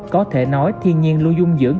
có thể nói thiên nhiên luôn dung dưỡng